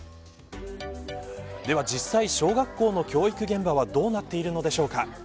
では実際、小学校の教育現場はどうなっているのでしょうか。